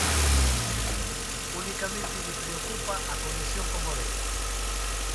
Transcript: Unicamente lle preocupa a conexión con Oleiros.